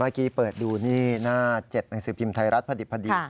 เมื่อกี้เปิดดูนี่หน้า๗หนังสือพิมพ์ไทยรัฐพอดี